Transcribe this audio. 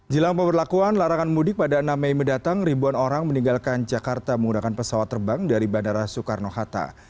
jelang pemberlakuan larangan mudik pada enam mei mendatang ribuan orang meninggalkan jakarta menggunakan pesawat terbang dari bandara soekarno hatta